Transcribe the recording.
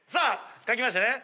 書きましたね。